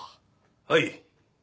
はい。